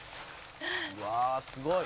「うわあすごい！」